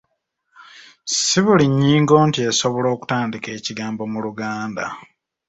Si buli nnyingo nti esobola okutandiika ekigambo mu Luganda.